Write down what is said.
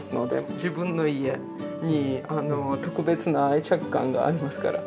自分の家に特別な愛着感がありますから。